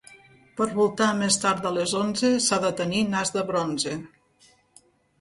Per voltar més tard de les onze s'ha de tenir nas de bronze.